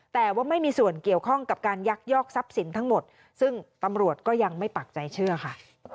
แต่ว่าไม่มีส่วนเกี่ยวข้องกับการยักยอกทรัพย์สินทั้งหมดซึ่งตำรวจก็ยังไม่ปักใจเชื่อค่ะ